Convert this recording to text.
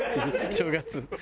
正月。